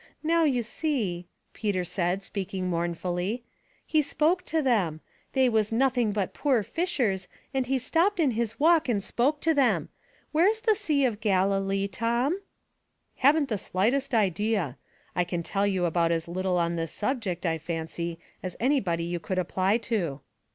Now, you see," Peter said, speaking mournfully, " he spoke to them. They was nothing but poor fishers, and he stopped in his walk and spoke to them. Where's the sea of Galilee, Tom ?"" Haven't the slightest idea. I can tell you about as little on this subject, I fancy, as any body you could apply to."